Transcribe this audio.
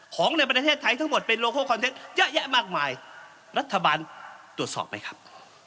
ของในประเทศไทยทั้งหมดเป็นโลโคคอนเทนต์เยอะแยะมากมายรัฐบาลตรวจสอบไหมครับ